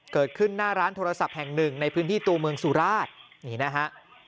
เกิดขึ้นหน้าร้านโทรศัพท์แห่งหนึ่งในพื้นที่ตัวเมืองสุราชนี่นะฮะ